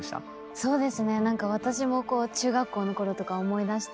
そうですね何か私も中学校の頃とか思い出して